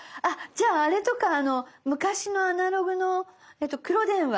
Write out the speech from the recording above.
じゃああれとか昔のアナログの黒電話。